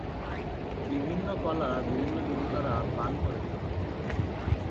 বিভিন্ন কলা বিভিন্ন দেবতারা পান করে থাকেন।